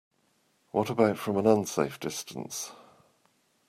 What about from an unsafe distance?